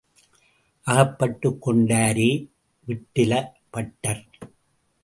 அகப்பட்டுக் கொண்டாரே விட்டல பட்டர்.